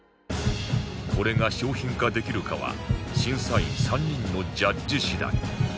これが商品化できるかは審査員３人のジャッジ次第